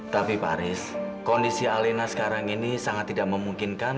tapi pak aris kondisi alena sekarang ini sangat tidak memungkinkan